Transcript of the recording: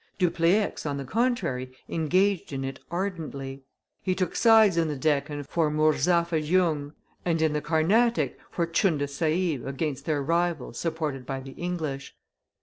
Dupleix, on the contrary, engaged in it ardently. He took sides in the Deccan for Murzapha Jung, and in the Carnatic for Tchunda Sahib against their rivals supported by the English.